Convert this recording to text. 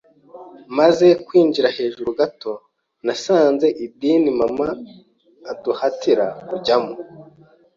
Maze kwigira hejuru gato, nasanze idini mama aduhatira kujyamo